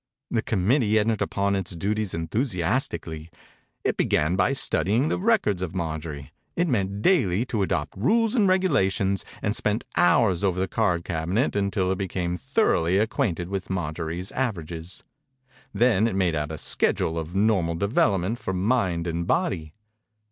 The committee entered upon its duties enthusiastically. It be gan by studying the records of Marjorie. It met daily to adopt rules and regulations and spent hours over the card cabinet until it became thoroughly acquainted with Marjorie's averages. Then it made out a schedule of normal development for mind and body.